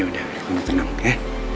ya udah kamu tenang ya